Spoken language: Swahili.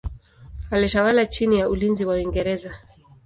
Alitawala chini ya ulinzi wa Uingereza.